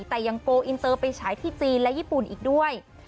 แต่ยังโกลอินเตอร์ไปฉายที่จีนและญี่ปุ่นอีกด้วย